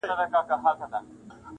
نور به یې شنې پاڼي سمسوري نه وي!